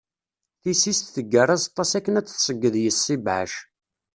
Tisist teggar azeṭṭa-s akken ad d-tseyyeḍ yess ibɛac.